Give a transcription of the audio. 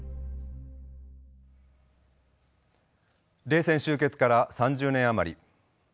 冷戦終結から３０年余り。